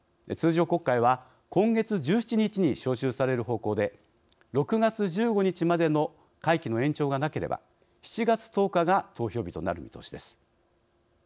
通常国会は今月１７日に召集される方向で６月１５日までの会期の延長がなければ７月１０日が投票日となる見通しです。